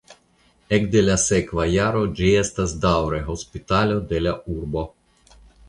Ekde la sekva jaro ĝi estas daŭre hospitalo de la urbo.